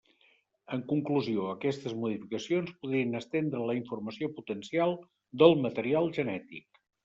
En conclusió, aquestes modificacions podrien estendre la informació potencial del material genètic.